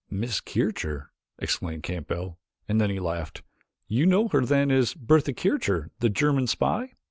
"Miss Kircher?" exclaimed Capell and then he laughed, "You know her then as Bertha Kircher, the German spy?"